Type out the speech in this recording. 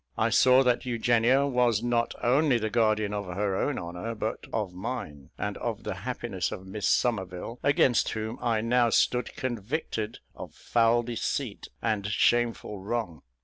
I saw that Eugenia was not only the guardian of her own honour, but of mine, and of the happiness of Miss Somerville, against whom I now stood convicted of foul deceit and shameful wrong.